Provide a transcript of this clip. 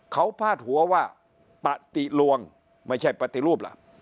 เขาพาดหัวว่าปฏิลวงไม่ใช่ปฏิรูปล่ะ